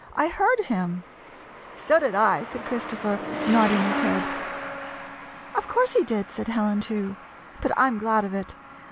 I heard him." "So did I," said Christopher, nodding his head. " Of course, he did," said Helen, too ;" but I 'm glad of it.